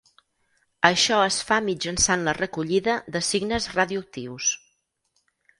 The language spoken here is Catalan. Això es fa mitjançant la recollida de signes radioactius.